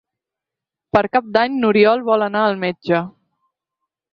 Per Cap d'Any n'Oriol vol anar al metge.